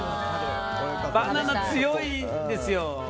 バナナ強いんですよ。